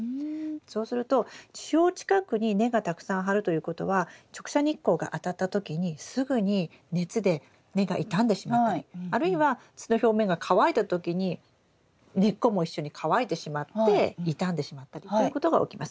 そうすると地表近くに根がたくさん張るということは直射日光があたった時にすぐに熱で根が傷んでしまったりあるいは土の表面が乾いた時に根っこも一緒に乾いてしまって傷んでしまったりということが起きます。